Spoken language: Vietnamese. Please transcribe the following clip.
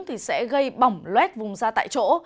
thì sẽ gây bỏng luét vùng da tại chỗ